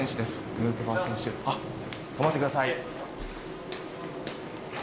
ヌートバー選手頑張ってください。